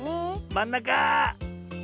まんなか！